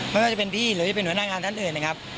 ไม่ว่าจะเป็นพี่หรือหลังงานทั้งอื่นนะครับ